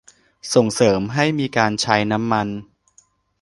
ส่งเสริมให้มีการใช้น้ำมัน